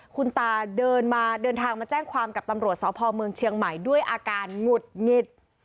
คุณตาเดินมาเดินทางมาแจ้งความกับตำรวจสพเมืองเชียงใหม่ด้วยอาการหงุดหงิด